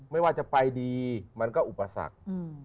ไม่ว่าจะไปดีมันก็อุปสรรค